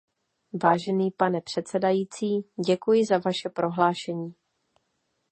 Vážený pane předsedající, děkuji za vaše prohlášení.